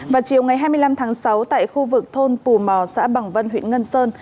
vào chiều ngày hai mươi năm tháng sáu tại khu vực thôn pù mò xã bằng vân huyện ngân sơn